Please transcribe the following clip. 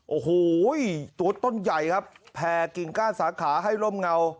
โอ้โหตัวต้นใหญ่ครับแผ่กิ่งก้านสาขาให้ร่มเงา